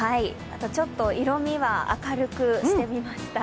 ちょっと色みは明るくしてみました。